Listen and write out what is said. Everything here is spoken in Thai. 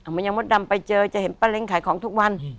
มายังมดดำไปเจอจะเห็นป้าเล้งขายของทุกวัน